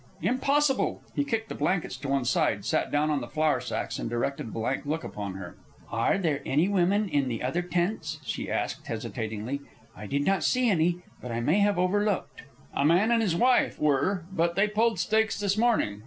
"Impossible!" He kicked the blankets to one side, sat down on the flour sacks, and directed a blank look upon her. "Are are there any women in the other tents?" she asked, hesitatingly. "I did not see any, but I may have overlooked." "A man and his wife were, but they pulled stakes this morning.